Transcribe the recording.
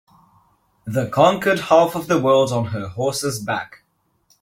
The conquered half of the world on her horse's back.